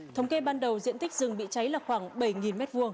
thống kê ban đầu diện tích rừng bị cháy là khoảng bảy m hai